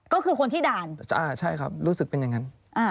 ก็คือคนที่ด่านใช่ครับรู้สึกเป็นอย่างนั้น